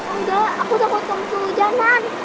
oh enggak aku takut untuk hujanan